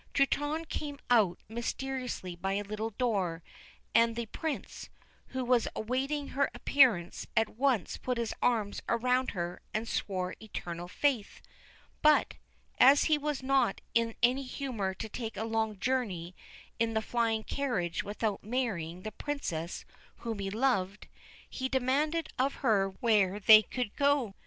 Truitonne came out mysteriously by a little door, and the Prince, who was awaiting her appearance, at once put his arms around her and swore eternal faith, but, as he was not in any humour to take a long journey in the flying carriage without marrying the Princess whom he loved, he demanded of her where they could go.